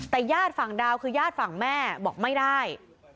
แต่ญาติฝั่งดาวคือญาติฝั่งแม่บอกไม่ได้